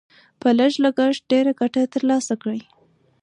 په لږ لګښت ډېره ګټه تر لاسه کړئ.